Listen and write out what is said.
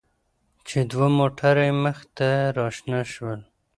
چې دوه موټره يې مخې ته راشنه شول.